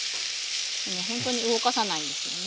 ほんとに動かさないんですよね。